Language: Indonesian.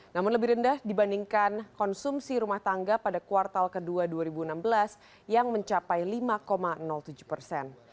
namun lebih rendah dibandingkan konsumsi rumah tangga pada kuartal ke dua dua ribu enam belas yang mencapai lima tujuh persen